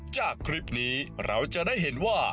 จากคลิปนี้เราจะได้เห็นว่า